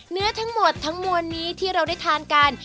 ทั้งหมดทั้งมวลนี้ที่เราได้ทานกัน